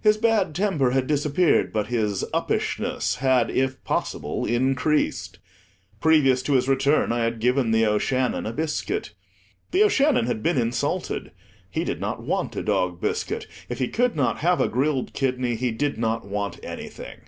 His bad temper had disappeared, but his "uppishness" had, if possible, increased. Previous to his return, I had given The O'Shannon a biscuit. The O'Shannon had been insulted; he did not want a dog biscuit; if he could not have a grilled kidney he did not want anything.